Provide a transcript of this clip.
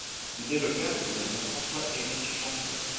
Il est le père du comédien François-Eric Gendron.